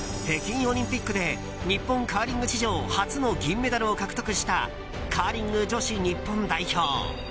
北京オリンピックで日本カーリング史上初の銀メダルを獲得したカーリング女子日本代表。